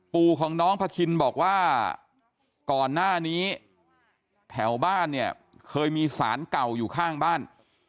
ปู่ของน้องพระคินบอกว่าก่อนหน้านี้แถวบ้านเนี่ยเคยมีสารเก่าอยู่ข้างบ้าน